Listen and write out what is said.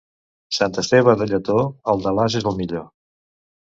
Sant Esteve de Lletó, el d'Alàs és el millor.